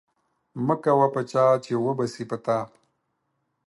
مکوه په چاه چې و به سي په تا.